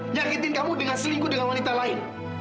nyakitin kamu dengan selingkuh dengan wanita lain